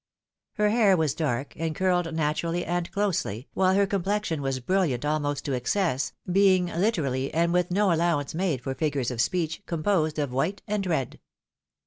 Her hair was dark, and curled naturally and closely, while her complexion was brilliant almost to excess, being hte rally, and with no allowance made for figures of speech, com posed of white and red.